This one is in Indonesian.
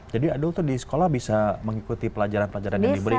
jadi adul tuh di sekolah bisa mengikuti pelajaran pelajaran yang diberikan